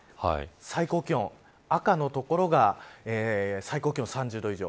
最高気温、赤の所が最高気温３０度以上。